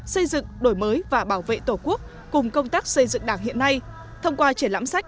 xây dựng đổi mới và bảo vệ tổ quốc cùng công tác xây dựng đảng hiện nay thông qua triển lãm sách